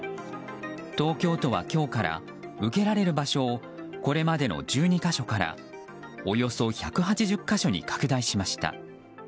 東京都は今日から受けられる場所をこれまでの１２か所からおよそ１８０か所に拡大しました。